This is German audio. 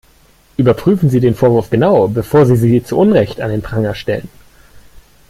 Überprüfen Sie den Vorwurf genau, bevor Sie sie zu Unrecht an den Pranger stellen.